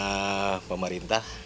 semoga aja pemerintah bisa membuat